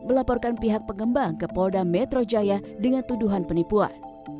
melaporkan pihak pengembang kepada metro jaya dengan tuduhan penipuan